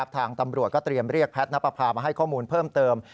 ทางตำรวจก็เตรียมเรียกแพทย์นับประพามาให้ข้อมูลเพิ่มเติม